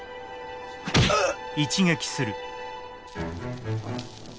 うっ。